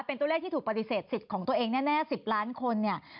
เป็นตัวเลขที่ถูกปฏิเสธสิทธิ์ของตัวเองแน่๑๐ล้านคนเนี่ย